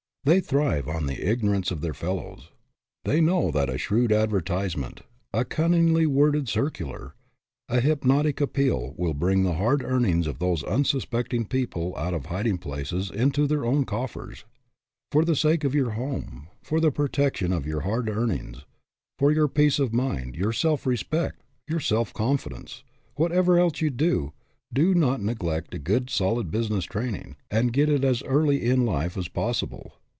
They thrive on the ignorance of their fellows. They know that a shrewd advertisement, a cun ningly worded circular, a hypnotic appeal will bring the hard earnings of these unsuspecting people out of hiding places into their own coffers. For the sake of your home, for the protec tion of your hard earnings, for your peace of mind, your self respect, your self confidence, whatever else you do, do not neglect a good, solid business training, and get it as early in HAD MONEY BUT LOST IT 177 life as possible.